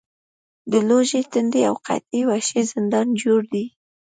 د لوږې، تندې او قحطۍ وحشي زندان جوړ دی.